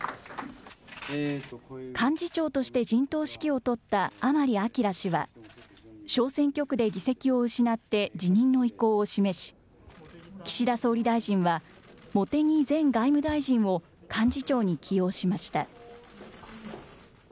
幹事長として陣頭指揮を執った甘利明氏は、小選挙区で議席を失って辞任の意向を示し、岸田総理大臣は、茂木前外務大臣を幹事長に起用しました。